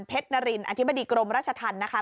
เพชรนารินอธิบดิกรมรัชทันนะคะ